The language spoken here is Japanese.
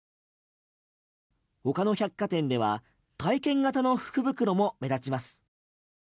他の百貨店では体験型の福袋も目立ちます。